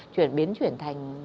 chuyển biến chuyển thành